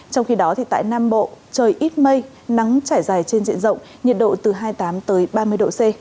trong khi đó tại nam bộ trời ít mây nắng trải dài trên diện rộng nhiệt độ từ hai mươi tám ba mươi độ c